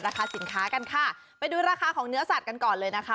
ราคาสินค้ากันค่ะไปดูราคาของเนื้อสัตว์กันก่อนเลยนะคะ